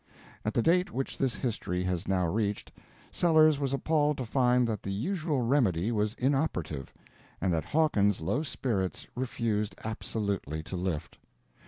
At the date which this history has now reached, Sellers was appalled to find that the usual remedy was inoperative, and that Hawkins's low spirits refused absolutely to lift.